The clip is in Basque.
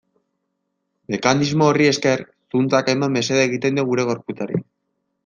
Mekanismo horri esker, zuntzak hainbat mesede egiten dio gure gorputzari.